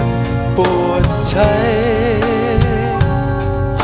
ยังเพราะความสำคัญ